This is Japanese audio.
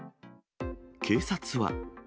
警察は。